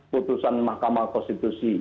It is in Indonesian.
kutusan mahkamah konstitusi